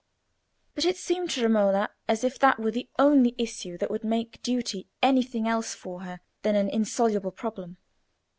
But it seemed to Romola as if that were the only issue that would make duty anything else for her than an insoluble problem.